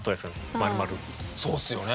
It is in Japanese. そうですよね。